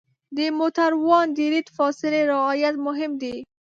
د موټروان د لید فاصلې رعایت مهم دی.